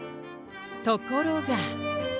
ところが。